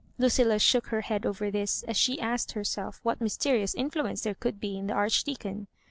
Lucilla shook her head over this, as she asked herself what mysterious influence there could be in the Archdeacon.